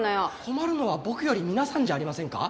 困るのは僕より皆さんじゃありませんか？